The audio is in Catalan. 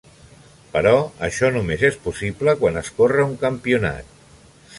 Però això només és possible quan es corre un campionat.